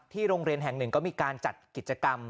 โรงเรียนแห่งหนึ่งก็มีการจัดกิจกรรม